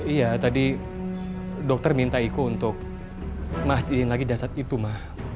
iya tadi dokter minta igo untuk mahasiswa lagi jasad itu ma